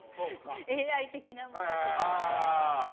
ＡＩ的なものとか。